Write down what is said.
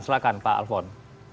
silahkan pak alfon